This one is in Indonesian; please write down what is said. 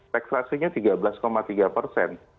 teks hasilnya tiga belas tiga persen